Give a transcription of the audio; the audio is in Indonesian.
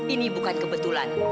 ini bukan kebetulan